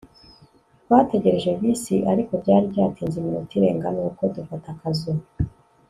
Twategereje bisi ariko byari byatinze iminota irenga nuko dufata akazu